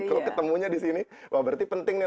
kalau ketemunya di sini wah berarti penting nih